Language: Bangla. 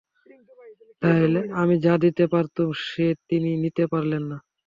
আমি যা দিতে পারতুম সে তিনি নিতে পারলেন না।